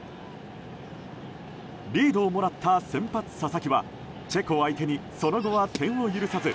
リードをもらった先発、佐々木はチェコ相手にその後は、点を許さず。